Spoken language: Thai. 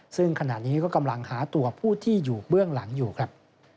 ซึ่งขณะนี้ก็กำลังหาตัวผู้ที่อยู่เบื้องหลังอยู่ครับ